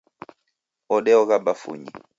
Odeogha bafunyi.